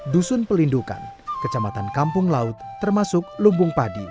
dusun pelindungan kecamatan kampung laut termasuk lumbung padi